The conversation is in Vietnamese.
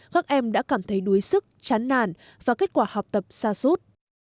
các em đã cảm thấy đuối sức chán nàn và kết quả học tập xa xút